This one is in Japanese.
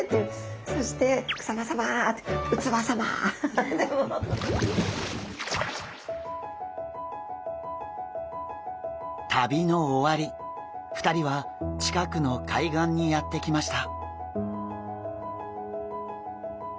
そして旅の終わり２人は近くの海岸にやって来ました。